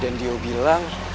dan dia bilang